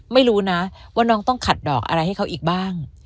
ไม่รู้นะว่าน้องต้องขัดดอกอะไรให้เขาอีกบ้าง